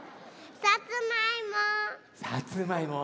さつまいも。